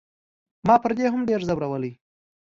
ما پر دې هم ډېر زورولی.